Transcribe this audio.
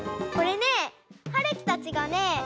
これねはるきたちがね